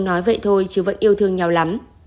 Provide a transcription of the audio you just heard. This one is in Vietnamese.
nói vậy thôi chứ vẫn yêu thương nhau lắm